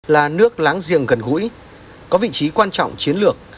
là nước láng giềng gần gũi có vị trí quan trọng chiến lược